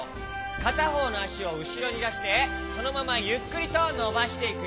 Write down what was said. かたほうのあしをうしろにだしてそのままゆっくりとのばしていくよ。